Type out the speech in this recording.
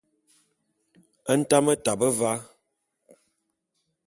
Ntame tabe va.